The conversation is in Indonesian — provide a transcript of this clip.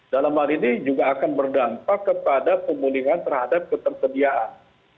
dalam hal ini juga akan berdampak kepada pemulihan terhadap ketersediaan